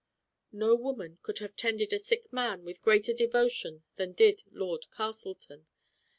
No woman could have tended a sick man with greater devotion than did Lord Castleton.